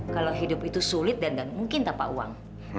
kalau hidup itu sulit dan mungkin tanpa uang